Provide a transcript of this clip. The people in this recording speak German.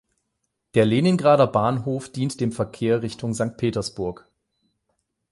Der Leningrader Bahnhof dient dem Verkehr Richtung Sankt Petersburg.